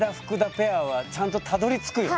ペアはちゃんとたどりつくよね。